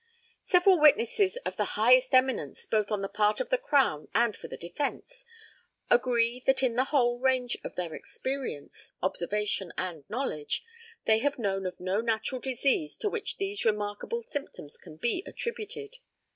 Several witnesses of the highest eminence, both on the part of the Crown and for the defence, agree that in the whole range of their experience, observation, and knowledge, they have known of no natural disease to which these remarkable symptoms can be attributed.